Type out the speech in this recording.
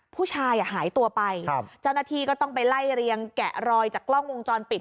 ผู้ชายหายตัวไปเจ้าหน้าที่ก็ต้องไปไล่เรียงแกะรอยจากกล้องวงจรปิด